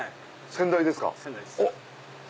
先代です。